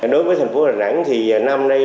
đối với thành phố hà nẵng thì năm nay